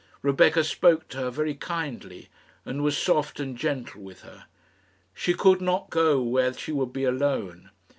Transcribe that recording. Rebecca spoke to her very kindly, and was soft and gentle with her. She could not go where she would be alone.